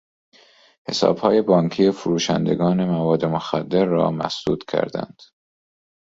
حسابهای بانکی فروشندگان مواد مخدر را مسدود کردند.